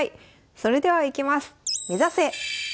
それではいきます。